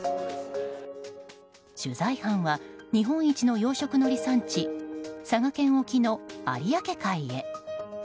取材班は、日本一の養殖のり産地佐賀県沖の有明海へ。